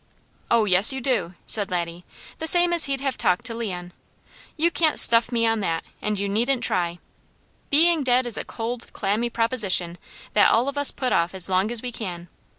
"Oh yes you do!" said Laddie, the same as he'd have talked to Leon. "You can't stuff me on that, and you needn't try. Being dead is a cold, clammy proposition, that all of us put off as long as we can.